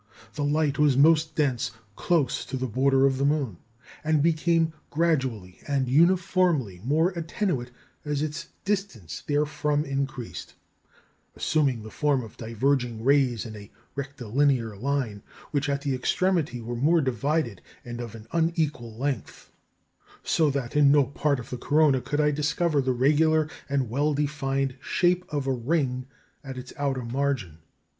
The light was most dense close to the border of the moon, and became gradually and uniformly more attenuate as its distance therefrom increased, assuming the form of diverging rays in a rectilinear line, which at the extremity were more divided, and of an unequal length; so that in no part of the corona could I discover the regular and well defined shape of a ring at its outer margin.